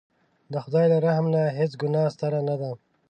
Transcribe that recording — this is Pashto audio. د خدای له رحم نه هېڅ ګناه ستره نه ده.